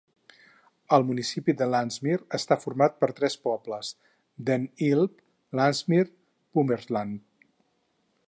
El municipi de Landsmeer està format pels tres pobles: Den Ilp, Landsmeer, Purmerland.